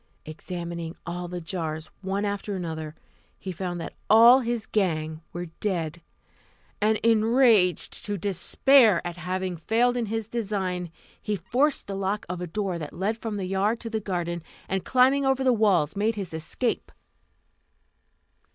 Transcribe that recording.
Examining all the jars, one after another, he found that all his gang were dead; and, enraged to despair at having failed in his design, he forced the lock of a door that led from the yard to the garden, and climbing over the walls made his escape.